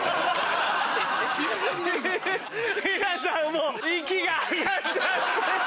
皆さんもう息が上がっちゃって。